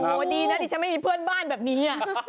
โอ้โหดีนะดิฉันไม่มีเพื่อนบ้านแบบนี้